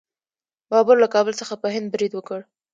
بابر له کابل څخه په هند برید وکړ.